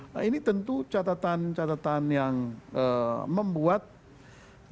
nah ini tentu catatan catatan yang membuat demokrasi kita